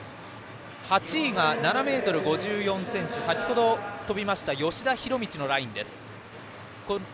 ８位が７ｍ５４ｃｍと先程跳びました吉田弘道のラインです。